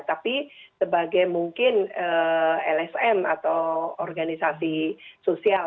tapi sebagai mungkin lsm atau organisasi sosial